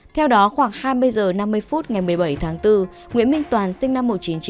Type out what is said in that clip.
theo đó khoảng hai mươi h năm mươi phút ngày một mươi bảy tháng bốn nguyễn minh toàn sinh năm một nghìn chín trăm bảy mươi